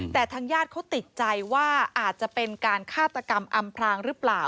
แต่ทางญาติเขาติดใจว่าอาจจะเป็นการฆาตกรรมอำพลางหรือเปล่า